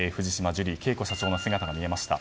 ジュリー景子社長の姿がありました。